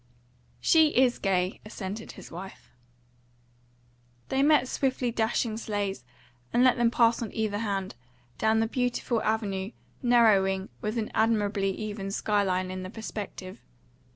"She IS gay," assented his wife. They met swiftly dashing sleighs, and let them pass on either hand, down the beautiful avenue narrowing with an admirably even sky line in the perspective.